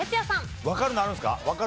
わかるのあるんですか？